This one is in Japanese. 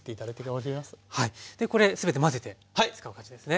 でこれすべて混ぜて使う感じですね。